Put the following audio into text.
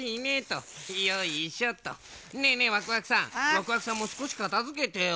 ワクワクさんもすこしかたづけてよ。